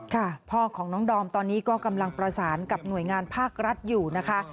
พ่อของน้องดอมตอนนี้ก็กำลังประสานกับหน่วยงานภาครัฐอยู่นะคะ